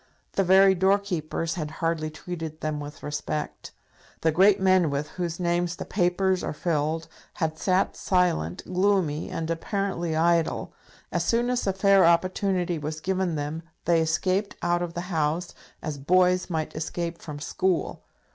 The very doorkeepers had hardly treated them with respect. The great men with whose names the papers are filled had sat silent, gloomy, and apparently idle. As soon as a fair opportunity was given them they escaped out of the House, as boys might escape from school.